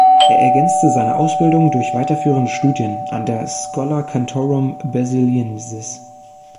Er ergänzte seine Ausbildung durch weiterführende Studien an der Schola Cantorum Basiliensis.